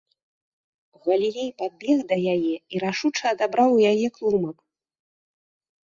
Галілей падбег да яе і рашуча адабраў у яе клумак.